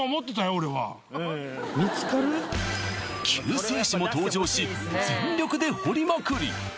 俺は救世主も登場し全力で掘りまくり